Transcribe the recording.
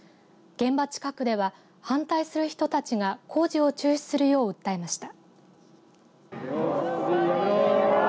現場近くでは、反対する人たちが工事を中止するよう訴えました。